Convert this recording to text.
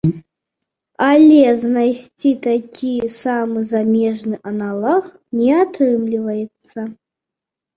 Але знайсці такі самы замежны аналаг не атрымліваецца.